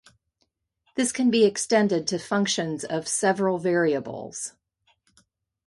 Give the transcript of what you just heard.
This can be extended to functions of several variables.